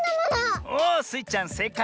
おおスイちゃんせいかい。